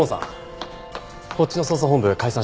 こっちの捜査本部解散しました。